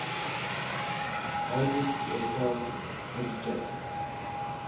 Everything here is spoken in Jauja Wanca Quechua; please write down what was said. Alwish waytawan allichashun.